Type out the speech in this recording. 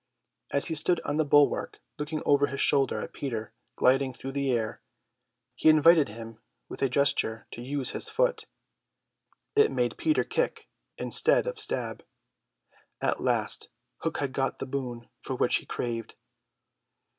As he stood on the bulwark looking over his shoulder at Peter gliding through the air, he invited him with a gesture to use his foot. It made Peter kick instead of stab. At last Hook had got the boon for which he craved.